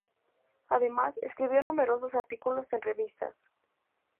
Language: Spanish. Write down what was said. Además, escribió numerosos artículos en revistas.